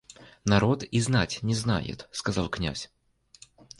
Народ и знать не знает, — сказал князь.